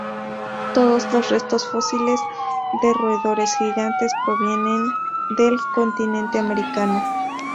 Todas los restos fósiles de roedores gigantes provienen del continente americano.